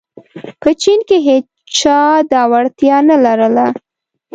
په چین کې هېچا دا وړتیا نه لرله.